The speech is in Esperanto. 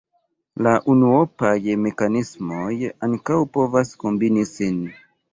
La unuopaj mekanismoj ankaŭ povas kombini sin.